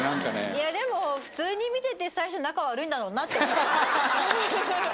いやでも普通に見てて最初仲悪いんだろうなと思ってました